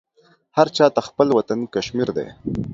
هر چاته خپل وطن کشمير دى.